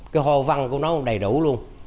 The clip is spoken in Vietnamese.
cái ho văn của nó đầy đủ luôn